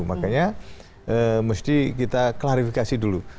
makanya mesti kita klarifikasi dulu